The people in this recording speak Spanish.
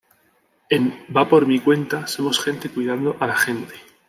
En Va por mi Cuenta somos gente cuidando a la gente.